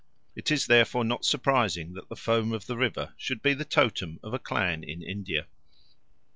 It is therefore not surprising that the foam of the river should be the totem of a clan in India.